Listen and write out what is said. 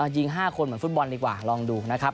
ยิง๕คนเหมือนฟุตบอลดีกว่าลองดูนะครับ